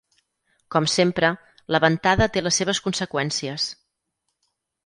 Com sempre, la ventada té les seves conseqüències.